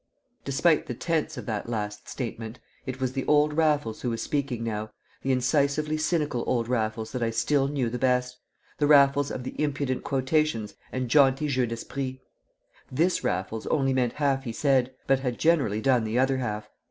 Despite the tense of that last statement, it was the old Raffles who was speaking now, the incisively cynical old Raffles that I still knew the best, the Raffles of the impudent quotations and jaunty jeux d'esprit. This Raffles only meant half he said but had generally done the other half!